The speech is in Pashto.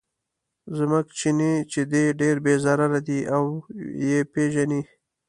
زموږ چیني چې دی ډېر بې ضرره دی او یې پیژني.